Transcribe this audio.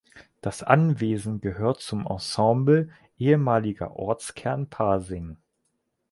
Das Anwesen gehört zum Ensemble ehemaliger Ortskern Pasing.